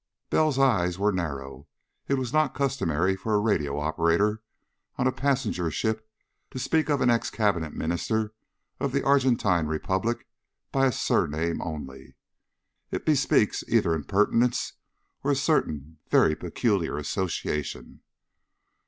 Bell's eyes were narrow. It is not customary for a radio operator on a passenger ship to speak of an ex Cabinet Minister of the Argentine Republic by his surname only. It bespeaks either impertinence or a certain very peculiar association.